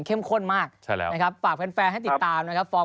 ข้นมากใช่แล้วนะครับฝากแฟนแฟนให้ติดตามนะครับฟอร์ม